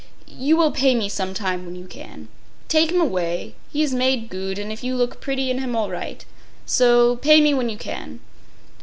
You will pay me some time when you can. Take him away. He is made goot; and if you look bretty in him all right. So. Pay me when you can.